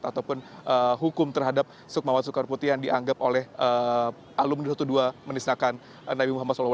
ataupun kembali mengangkat ataupun hukum terhadap sukmawat sukar putih yang dianggap oleh alum dua ratus dua belas mendesakan nabi muhammad saw